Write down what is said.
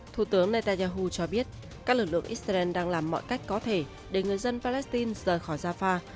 thủ tướng netanyahu cho biết các lực lượng israel đang làm mọi cách có thể để người dân palestine rời khỏi rafah